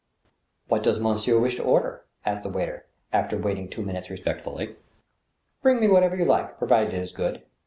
" What does monsieur wish to order ?" asked the waiter, after waiting two minutes respectfully. " Bring me whatever you like, provided it is good."